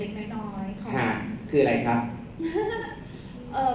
ใส่กีฬาอะไรอย่างนี้